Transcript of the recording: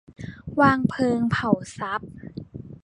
วางเพลิงเผาทรัพย์